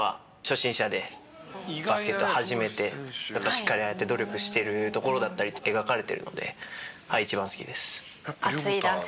しっかりああやって努力してるところだったり描かれてるので一番好きです。